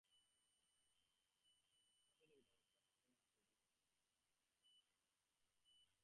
ইংরাজি কাব্যসাহিত্যের সৌন্দর্যলোকে আমি তাহাকে পথ দেখাইয়া লইয়া যাইব।